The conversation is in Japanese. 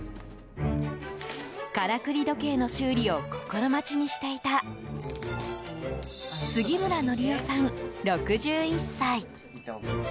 からくり時計の修理を心待ちにしていた杉村倫代さん、６１歳。